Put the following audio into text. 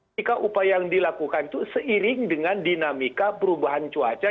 jika upaya yang dilakukan itu seiring dengan dinamika perubahan cuaca